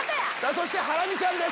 そしてハラミちゃんです